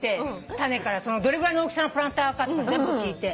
種からどれぐらいの大きさのプランターかとか全部聞いて。